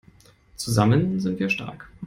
Zusammen sind wir stark!